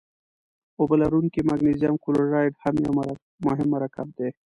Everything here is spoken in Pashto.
اوبه لرونکی مګنیزیم کلورایډ هم یو مهم مرکب دی.